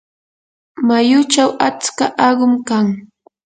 mayuchaw atska aqum kan.